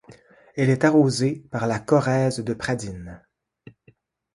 Elle est arrosée par la Corrèze de Pradines.